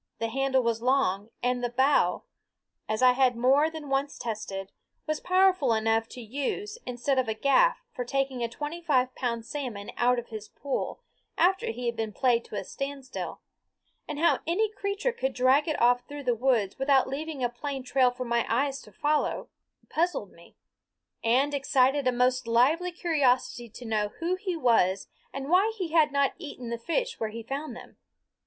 The handle was long, and the bow, as I had more than once tested, was powerful enough to use instead of a gaff for taking a twenty five pound salmon out of his pool after he had been played to a standstill; and how any creature could drag it off through the woods without leaving a plain trail for my eyes to follow puzzled me, and excited a most lively curiosity to know who he was and why he had not eaten the fish where he found them.